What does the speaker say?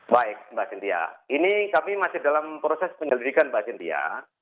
baik mbak cynthia ini kami masih dalam proses penyelidikan mbak cyndia